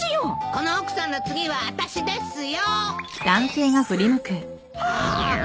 この奥さんの次はあたしですよ！